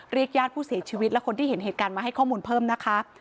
ญาติผู้เสียชีวิตและคนที่เห็นเหตุการณ์มาให้ข้อมูลเพิ่มนะคะ